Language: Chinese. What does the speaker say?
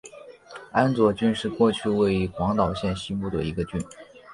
安佐郡是过去位于广岛县西部的一郡。